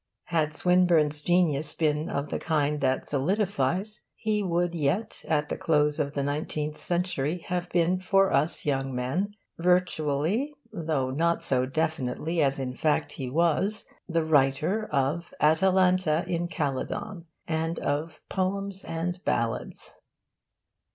Had Swinburne's genius been of the kind that solidifies, he would yet at the close of the nineteenth century have been for us young men virtually though not so definitely as in fact he was the writer of 'Atalanta in Calydon' and of 'Poems and Ballads.